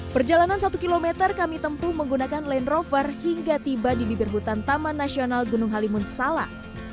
perjalanan satu km kami tempuh menggunakan land rover hingga tiba di bibir hutan taman nasional gunung halimun salak